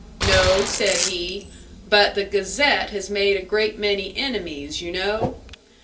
'No,' said he; 'but the Gazette has made a great many enemies, you know.'